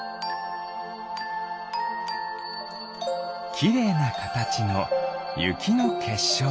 きれいなかたちのゆきのけっしょう。